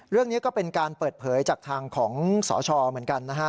เรื่องนี้ก็เป็นการเปิดเผยจากทางของสชเหมือนกันนะฮะ